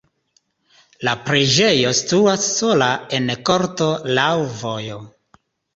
La preĝejo situas sola en korto laŭ vojo.